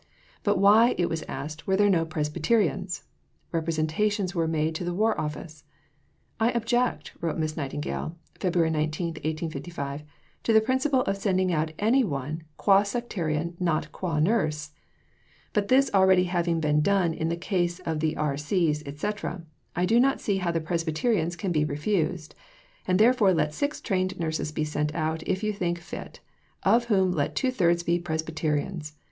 But why, it was asked, were there no Presbyterians? Representations were made to the War Office. "I object," wrote Miss Nightingale (Feb. 19, 1855), "to the principle of sending out any one, qua sectarian, not qua nurse. But this having already been done in the case of the R.C.'s, etc., I do not see how the Presbyterians can be refused. And therefore let six trained nurses be sent out, if you think fit, of whom let two thirds be Presbyterians.